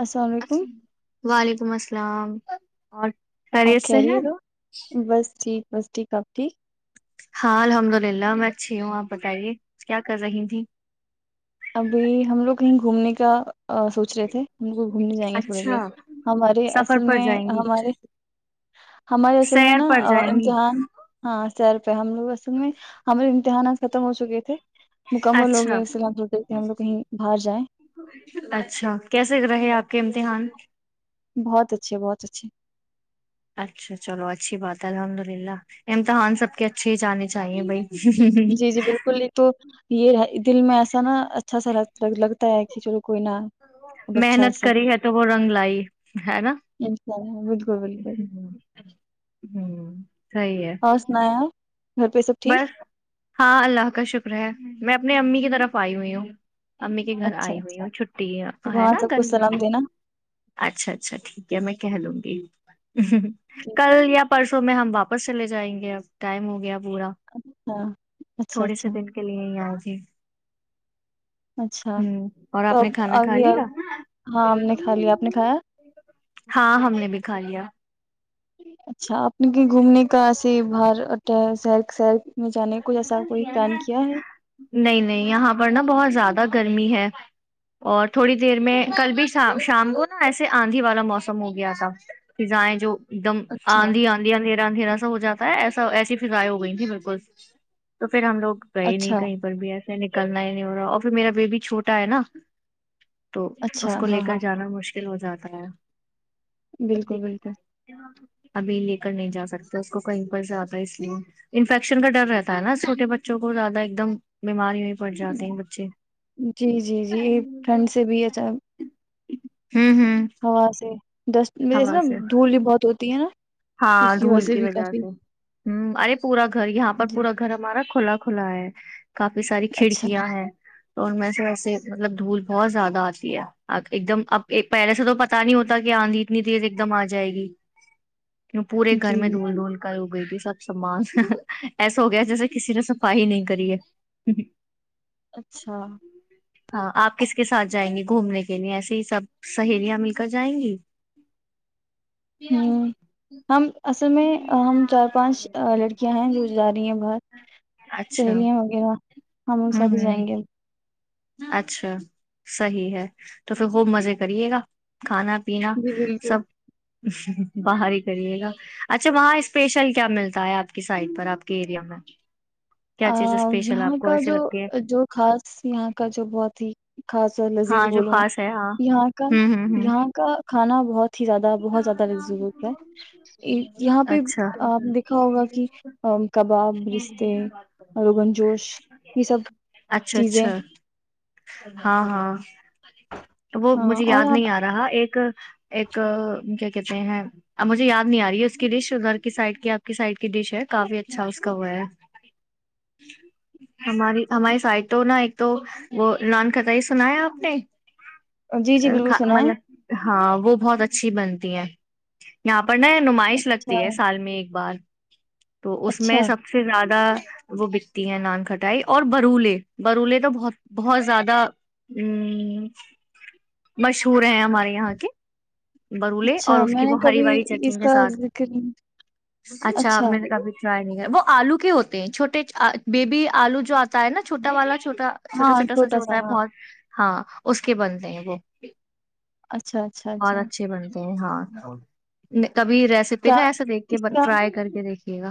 السلام علیکم وعلیک م السلام اور آپ کہہ رہیے ہو بس ٹھیک بس ٹھیک آپ ٹھیک ہاں الحمد للہ میں اچھی ہوں آپ بتائیے کیا کر رہی تھھی ابھی ہم لوگ کہیں گھومنے کا سوچ رہے تھے ہمگ گھومنے جائیں گے تھوڑی دیر ہمارے سفر اصل پر میں جائیں گی ہمارے ہمارے اصل میں سیر نا پر جائیں گی امتحان ہاں سیر ہم لگ اصل میں ہم دھیانات ختم ہو چکے تھے مکمل ہو اچھا گئے سلام پردش اچھا کیسے رہے آپ کے امتحان ش بہت اچھے بہت اچھے اچھا چلو اچھی بات ہے الحمد للہ امتحان سب کے اچھے ہی جانے چاہیے بھائی [inaudible] جی جی بالکل ایک تو یہ دل میں ایسا نا اچھا سا لگتا ہے کچ ر کوئی ن محنت کری ہے تو وہ رنگ لائی ہے نا انشاء اللہ بالکل بالکل ہ صحی ہے اور سنائیں آپ گھر پہ سب ٹھیک بس ہاں اللہ کا شکر ہے میں اپنے امی کی طرف آئی ہوئی ہوں امی کے گھر اچھا آئی ہوئی اچھا ہوں چھٹی ہے وہاں نا سب کو گھر سلام دینا اچھا اچھا ٹھیک ہے میں کہہ لوں گی [inaudible] ہ ٹھیک کل یا [inaudible] پرسوں میں ہم واپس چلے جائیں گے اب ٹائم ہو گیا اب پا ہاں اچھا تھوڑے سے اچھا دن کے لیے ہی آ ج [inaudible] اچھا تو اب کھانا کھا آگے ا لیا ہاں ہم نے کھا لیا آپ نے کھایا ہاں ہم نے بھی کھا لیا ٹھیک [inaudible] اچھا اپپنے کے گھومنے کا بار اٹ سرک سرک میں جانے کوچھ ایسا کوئی پلان کیا ہے نہیں نہیں یہاں پر نا بہت زیادہ گرمی ہے اور تھوڑی دیر میں کل بھیا شام کو نا ایسے آندھی والا موسم ہو گیا تھا کہ جائیں جو ایک دم اچھا آندی آندی آ دھیا سا ہواتا ہے ایسا ایسی فضائیں ہو گئی تیں بالکل تو [unintelligible] پھر ہم لوگ گئے نہیں اچھا کہیں پر بھی ای ے نکلنا ہی نہیں ہو رہا اور پھر میرا بیبی چھوٹا ہے نا تو اس اچھا کو لے ہاں ہاں کر جانا مشکل ہو جاتا [inaudible] بالکل بالکل لیاں ابھی لے کر نہیں جا سکتا اس کو کہیں پر سے آتا ہے اس لیے انفیکشن کا ڈر رہتا ہے نا چوٹے بچوں کو زیادہ ایک دم بیماری ہو جی جی جی ایک ٹھنڈ سے بھی اا ہوں ہوں ہوا سے ڈس جیے ہوا نا سے دھول بھی بہت ہو تینا [unintelligible] ہاں دھول کی وجہ سے ہ ارے پورا گھر یہاں پر جی پورا گھر ہمارا کھلا کھلا ہے کافی ساری اچھا کھڑکیاں ہیں تو ان میں سے ویسے مطلب دھول بہت زیادہ آتی ہے ا ایک دم اب پہلے سے تو پتا نہیں ہوتا کہ آندھی اتنی تیز ایک دم آ جائے گی پورے گھر جی میں دھول دھول کا ہو گئی تھی سب سامان ایسا ہو گیا جیسے کسی نے صفائی نہیں کری ہے اچھا ہاں آپ کس کے ساتھ جائیں گے گھومنے کے لیے ایسے ہی سب سہیلیاں مل کر جائیں گی پے ہم اس میں ہم چار پانچ لڑکیاں ہیں جو جا رہی ہیں باہر اچھا سہیلیاں وغیرہ ہم ہوں سبھی ہوں جائیں گے اچھا صحیح ہے تو پھر خوب مزے کریے گا کھانا پیینا جی بالکل سب باہر ہی کریے گا اچھا وہاں اسپیشل کیا ملتا ہے آپ کی سائڈ پر آپ کے ایریا میں کیا ا چیز اسپیشل یہاں آپ کو کا ایسے جو لگتی ہے جو خاص یہاں کا جو بہت ہی خاص لذیذ ہاں جو بولوںا خاص ہے ہاں یہاں کا ہوں ہوں ہوں یہاں کا کھانا بہت ہی زیادہ بہت زیادہ لزیز ہے یہاں پہ اچھا آپ دیکھا ہوگا کہ کباب ایک رشتے دن ب روغن جوش یہ سب اچھا چیزیں اچھا ہاں ہاں تو وہ ہاں مجھے اور یاد نہیں آپ آ رہا ایک ایک کیا کہتے ہیں اب مجھے یاد نہیں آ رہی ہے اس کی ڈش گھر کی سائڈ کی آپ کی سائڈ کی ڈش ہے کافی اچ اچھا اس کا وہ ہے ہماری ہماری سائڈ تو نا ایک تو وہان کتائی سنایا آپ نے جی جی بالکل سنا ہے مطلب ہاں وہ بہت اچھی بنتی ہے یہاں پڑھنا ہے نمائش اچھا لگتی ہے سال میں ایک بار تو اس اچھا میں سب سے زیادہ وہ بکتی ہے نان کٹائی اور برولے برولے تو بہت بہت زیادہ ا مشہور ہے ہمارے یہاں کے برولے اور اچھا اس میں کی نے وہ ہری کبھی باری اس چرچن کے کا ساتھ ذکر نہیں- اچھا آپ نےبھی وہ آلو کے ہوتے ہیں چھوٹے بیبی آلو جو آتا ہے نا چھوٹا والا چوٹا چھوٹا ہاں چھوٹا ساچ سا ہوتا ہے ہاں بہت ہاں اس کے بنتے ہیں وہ اچھا اچھا بہت اچھا اچھے بنتے ہاں کبھی ریسیپی کیا نا ایسا دیکھ کے اس کا ٹرائی کر کے دیکھ ج گا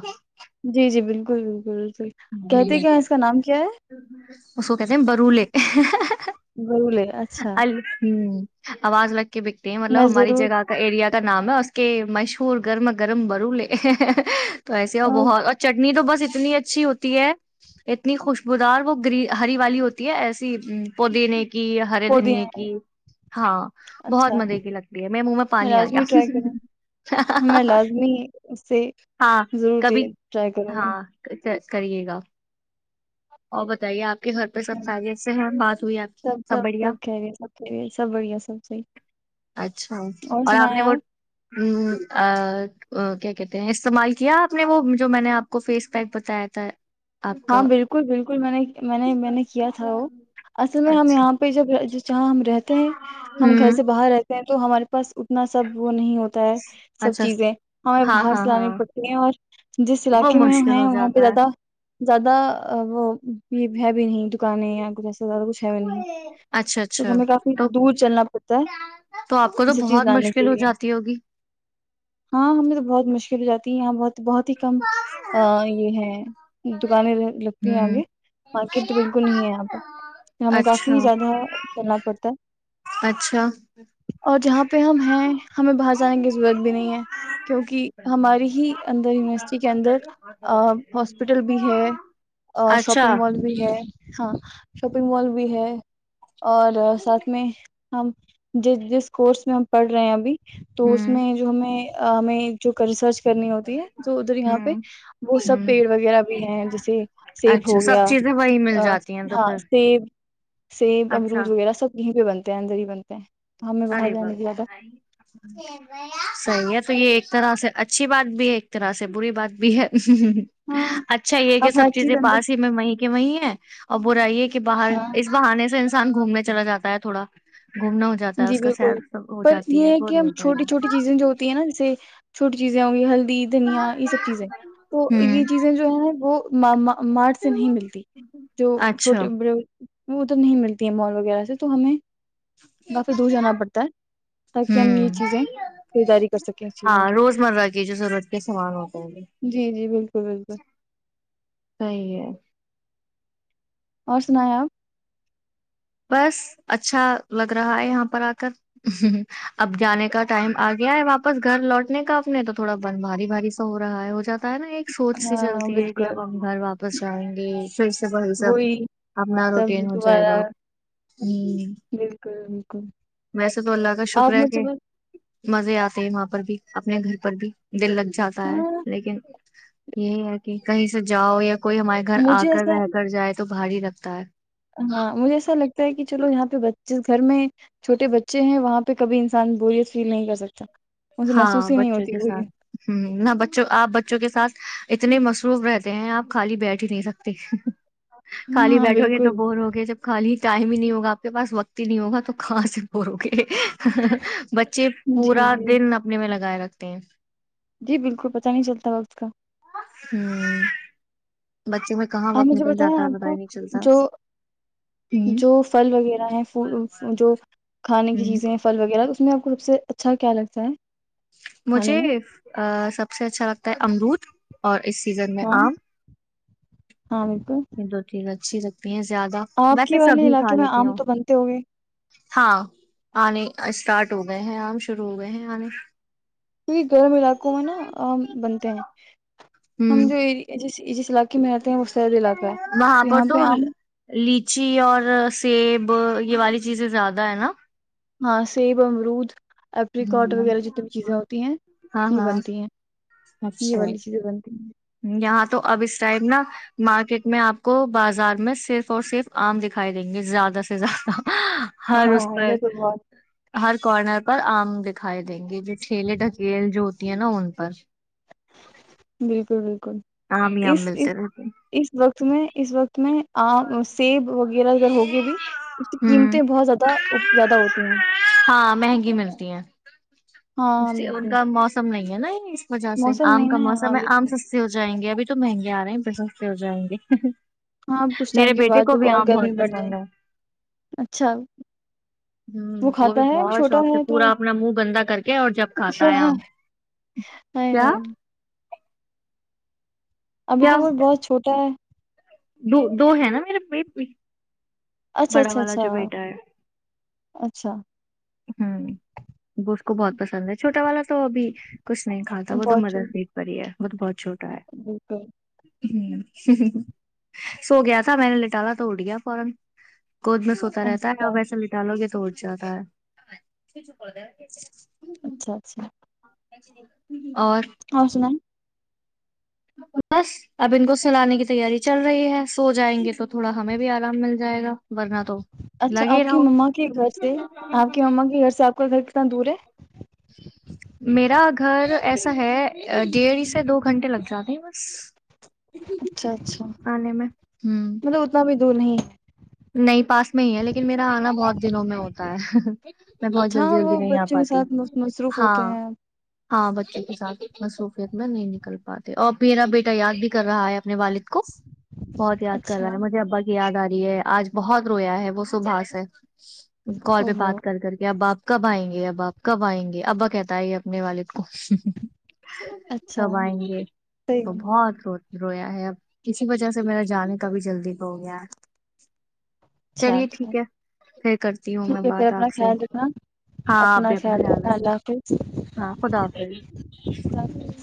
جی جی بالکل بالکل بالکل کہتے کیا یہاں اس کا نام کیا ہے اسو کہتے ہیں برولے گولے اچھا ال ہوں آواز لگتی بکتے ہیں مطلب میں ہماری ضرور جگہ کا ایریا نام ہے اس کے مشہور گرم گرم برولے تو آ، بہت اور چٹنی تو بس اتنی اچھی ہوتی ہے اتنی خوشبوودار وہ گ ہری والی ہوتی ہے ایسے پودینے کی ہرے دھنیے پودینے کی ہاں بہت اچھا مزے کی لگتی ہے میرے منہ میں پانی آ لازمی ٹرائی کروں گیا میں لازمی اس سے ہاں ضرور کبھی ٹرائی کروں گی ہاں کریے گا اور بتائیے آپ کے گھر پہ سب س ای سے ہیں بات ہوئی آپ کی سب بڑھیا کہہ رہی سب کہہ رہی سب بڑھیا سب صحیح اچھا اور آپ نے وہ ا کیاک استعمال کیا آپ نے وہ جو میں نے آپ کو فیس پیک بتایا تھا آپ ہاں کا بالکل بالکل میں نے میں نے میں نے کیا تھا وہ اصل میں ہم اچھا یہاں پہ جب جہاں ہم رہتے ہیں ہم گھر ہوں سے باہر رہتے ہیں تو ہمارے بس اتنا سب وہ نہیں ہوتا ہے سب اچھا چیزیں ہمیں ہاں باہر ہاں سے لانی ہاں پڑتی ہیں اور جس وہ علاقے میں مشکل ہیں ہو وہاں پہ جاتا ہے زیادہ زیادہ وہ بھی ہے بھی نہیں دکانے یا کچھ ایسا زیادہ کچھ ہے اچھا نہیںک اچھا ہمیں کافی تو دور چلنا پڑتا ہے تو آپ کو یہ تو سب چیز بہت لانے مشکل کے ہو لیے جاتی ہوگی ہاں ہمیں تو بہت مشکل بھی جاتی یہاں بہت بہت ہی کم یہ ہے دکانیں لگتی ہیں آگے ہوں مارکیٹ تو بالکل نہیں ہے یہاں پہ ہمیں اچھا کافی زیادہ چلنا پڑتا ہے اچھا اور جہاں پہ ہم ہیں ہمیں باہر جانے کی ضرورت بھی نہیں ہے کیونکہ ہماری ہی اندر یونیورسٹی کے اندرس ہپٹل بھی ہے اچھا شاپنگ مال بھی ہے ہاں شاپنگ مال بھی ہے اور ساتھ میں ہم جس جس کورس میں ہم پڑھ رہے ہیں ابھی تو اس ہوں میں جو ہمیں ہم میں جو ریسرچ کرنی ہوتی ہے تو ادھر یہاں پہ ہوں وہ سب ہوں پیڑ وغہ بھی ہیں جیسے سیب اچھا ہو سب گیا چیزیں وہی مل جاتی ہیں تو ہاں پھر سیب سیب اچھا امرود وغیرہ سب یہ بھی بنتے ہیں اندر بنتے ہیں تو ہمیں باہر ارے با جانے کی زیادہ صحیح ہے تو یہ ایک طرح سے اچھی بات بھی ہے ایک طرح سے بری بات بھی ہے ہ ہاں اچھا یہ کہ اب سب ہر چیزیں چیز اندر پاس ہی میں وہیں وہیں ہے اور ب رہائیے کہ باہر ہاں اس بہانے سے انس انسان گھومنے چلا جاتا ہے تھوڑا گھومنا ہو جاتا ہے جی اس کا بالکل سیر سب ہو پر جاتی یہ ہے وہ کہ نہیں ہم ہو پائے چھوٹی گا چھوٹی چیزیں جو ہوتی ہیں نا جیسے چھوٹی چیزیں ہوی ہیل دھنیا یہ سب چیزیں تو یہ ہوں چیزیں جو ہیں وہ ماما مار سے نہیں ملتی جو اچھا چھوٹے بڑے ادھر نہیں ملتی ہے مال وغیرہ سے تو ہمیں کافی دور جانا پڑتا ہے ہ تاکہ ہم یہ چیزیں خریداری کر سکیں اس ہاں چیزوں روز مرہ کی جو ضرورت کے سامان ہوتےائ گے کی جی جی بالکل بالکل صی ہے اور سنایں آپ بس اچھا لگ رہا ہے یہاں پر آ کر ہ اب جانے کا ٹائم آ گیا ہے واپس گھر لوٹنے کا اپنے تو تھوڑا بن بھاری بھاری سا ہو رہا ہے ہو جاتا نا ایک سوچ س ہاں چلتی ہے کہ بالکل اب ہم گھر واپ پچائیں گے پھر سے بائی سب وہی اپنا سب روٹین ہو جائے دوبارہ گا ہوں بیکم ویسے تو اللہ کا شکر ہے کہ مزے آتے ہیں وہاں پر بھی اپنے گھر پر بھی دل لگ جاتا ہے ہاں لیکن یہی ہے کہ کہیں سے جاؤ یا کوئی ہمارے گھر آ مجھے کر ایسا رہ کر جائے تو بھاری لگتا ہے ہاں مجھے ایسا لگتا کہ چلو یہاں پہ جس گھر میں چوٹے بچے ہیں وہاں پہ کبھی انسان بورت فیل نہیں کر سکتا مجھے ہاں محسوس ہی نہیں بچوں ہوتی کے ساتھ بوریت ہ نہ بچوں آپ بچوں کے ساتھ اتنے مصروف رہتے ہیں آپ خالی بیٹ ہی نہیں سکتے خالی ہاں بیٹھو گے تو بالکل بور ہوگے جب خالی ٹائم ہی نہیں ہوگا آپ کے پاس وقت ہی نہیں ہوگا تو کہاں سے بورو گے بچے جی پورا جی اپنے میں لگائے رکھتے ہیں جی بالکل پتہ نہیں چلتا اس کا ہوں بچوں میں کہاں ہاں وقت مجھے نکل بتائیں جاتا آپ ہے پتا ہی کو نہیں چلتا جو ہوں جو فھل وغیرہ ہے جو کھانے کی ہوں چیزیں ہیں پھل وغیرہ اس میں آپ کو رب سے اچھا کیا لگتا ہے کھانے مجھے میں سب سے اچھا لگتا ہے امرود اور اس سیزن میں ہاں آم ہاں بالکل یہ دو تز اچھی لگتی ہیں زیادہ آپ ویسے کی والے سبھی کھا علاقے میں لیتی آم ہوں تو بنتے ہو گئے ہاں آنے اسٹارٹ ہو گئے ہیں عام شروع ہو گئے ہیں آنے کیہ گرم علاقوں میں نا آم بنتے ہیں ہم ہوں جو ج جس علاقے میں رہتے ہیں وہ سرد علاقہ ہے وہاں تو پر یہاں پہ تو آم لیچی اور سیب یہ والی چیزیں زیادہ ہے نا ہاں سیب امرود ایریکٹ ہوں وغیرہ جتنی بھی چیزیں ہوتی ہیں ہاں یہ ہاں بنتی ہیں یہ اچھا والی چیزیں بنتی ہیں یہاں تو اب اس ٹائم نا مارکیٹ میں آپ کو بازار میں صرف اور صرف آم دکھائی دیں گے زیادہ سے زیادہ ہاں ہر اس ہاں پر ادھر تو بہت ہر کارنر پر آم دکھائی دیں گی چل ڈکیل جو تی ہے نا ان پر بالکل بالکل آم ہی اس آم اس ملتے رہتے ہیں۔ اس وقت میں اس وقت میں آم سیب وغیرہ اگر ہوگی بھی اس کی ہوں قیمتیں بہت زیادہ زیادہ ہوتی ہیں ہاں مہنگی ملتی ہیں ہاں اس سے ان بالکل کا موسم نہیں میںا نہیں اس وجہ سے موسم آم نہیں کا نا ہاں موسم ہے آم بالکل سستے ہو جائیں گے ابھی تو مہنگے آ رہے ہیں پھر سستے ہو جائیں گے ہاں اب کچھ ٹائم میرے کے بیٹے بعد ج کو بھی اور آم گرمی بہت پڑ جائےی پسند ہے اچھا ہ وہ بھی کھاتا ہے اب بہت چھوٹا شوق سے ہے تو پورا اپنا منہ گندا کر کے اور جب کھاتا ہے ہے کیا ہے۔ ابھی تو کیا وہ بہت چھوٹا ہے دو دو ہے نا میر بی اچھا اچھا اچھا اچھا ہوں وہ اس کو بہت پسند ہے چھوٹا والا تو ابھی کچھ نہیں کھاتا وہ تو مدر پیٹ پر ہی ہے بہ بت چھوٹ جی تو ہ سو گیا تھا میں نے لٹالا تو اٹ گیا فورن گود میں سوتا رہتا ہے اچھا اور ویسے لٹالو گے تو توڑ جا ہے اچھا اچھا اچ ج ج [inaudible] ہاں سنا بس اب ان کو سلانے کی تیاری چل رہی ہے سو جائیں گے تو تھوڑا ہمیں بھی آرام مل جائے گا ورنہ تو اچھا لگے آپ کی رہو مما کے گھر سے آپ کی مما کے گھر سے آپ کا گھر کتنا دور ہے میرا گھر ایسا ہے ڈیڑھ سے دو گھنٹے لگتے نہیں بش اچھا اچھا آنے میں ہوں د نہیں نہیں پاس میں ہی ہے لیکن میرا آنا بہت دنوں میں ہوتا ہے میں بہت اچھا جلدی جلدی وہ نہیں آ بچوں کے پاتی ساتھ مص- مصروف ہاں ہوتے ہیں ہاں بچے کے ساتھ مصروفیت میں نہیں نکل پاتے اور میرا بیٹا یاد بھی کر رہا ہے اپنے والد کو بہت یاد کر اچھا رہا ہے مجھے ابا کی یاد آ رہی ج ہے [unintelligible] [unintelligible] آج بہت رویا ہے وہ سبھاس ہے کال او پہ ہو بات کر کر کے اب باپ کب آئیں گے ابا آپ کب آئیں گے ابا کہتا ہے اپنے والد کو اچھا کب آئیں گے صحیح تو ہے۔ بہت ہو رویا ہے اب کسی وجہ سے میرا جانے کا بھی جلدی ہو گیا ہے [inaudible] اچھا چلیے ٹھیک اچھا ہے پھر کرتی ہوں میں ٹھیک ہے پھر بات اپنا آپ سے خیال رکھنا ہاں آپ بھی اپنا خیال رکھنا ہاں خدا حافظ اللہ حافظ